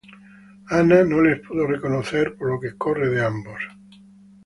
Anna no los pude reconocer por lo que corre de ambos.